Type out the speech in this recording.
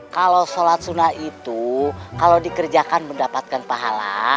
kalau sholat sunnah itu kalau dikerjakan mendapatkan pahala